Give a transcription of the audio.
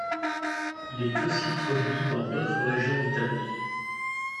Il est aussi produit dans d'autres régions d'Italie.